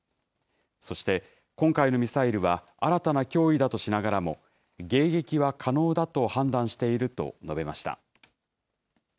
そして今回のミサイルは、新たな脅威だとしながらも、迎撃は可能だと判断しているとのべました。